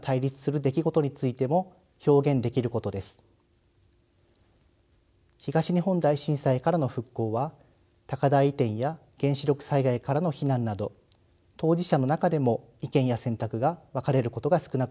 ２つ目の意義と可能性は東日本大震災からの復興は高台移転や原子力災害からの避難など当事者の中でも意見や選択が分かれることが少なくありません。